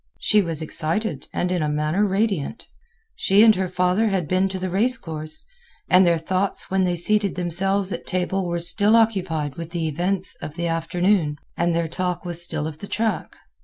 She was excited and in a manner radiant. She and her father had been to the race course, and their thoughts when they seated themselves at table were still occupied with the events of the afternoon, and their talk was still of the track.